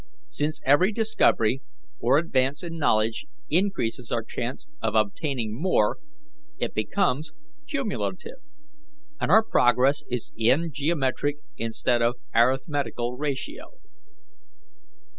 Since every discovery or advance in knowledge increases our chance of obtaining more, it becomes cumulative, and our progress is in geometric instead of arithmetical ratio.